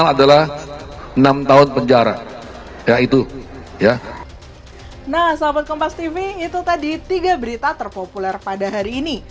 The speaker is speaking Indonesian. nah sobat kompas tv itu tadi tiga berita terpopuler pada hari ini